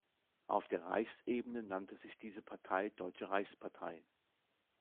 Auf der Reichsebene nannte sich diese Partei Deutsche Reichspartei.